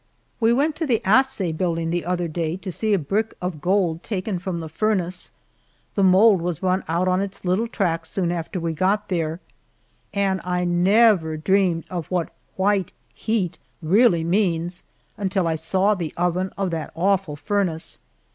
We went to the assay building the other day to see a brick of gold taken from the furnace. The mold was run out on its little track soon after we got there, and I never dreamed of what "white heat" really means, until I saw the oven of that awful furnace.